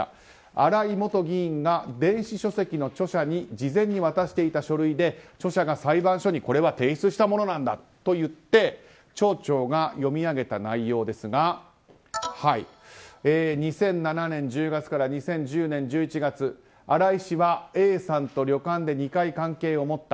新井元議員が電子書籍の著者に事前に渡していた書類で著者が裁判所に、これは提出したものなんだと言って町長が読み上げた内容ですが２００７年１０月から２０１０年１１月新井氏は、Ａさんと旅館で２回関係を持った。